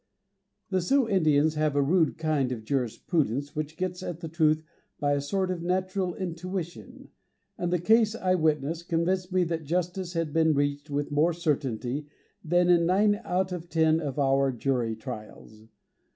The Sioux Indians have a rude kind of jurisprudence which gets at the truth by a sort of natural intuition, and the case I witnessed convinced me that justice had been reached with more certainty than in nine out of ten of our jury trials.